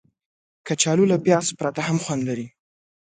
کچالو له پیاز پرته هم خوند لري